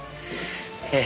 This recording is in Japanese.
ええ。